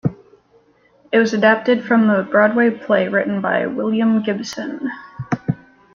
It was adapted from the Broadway play written by William Gibson.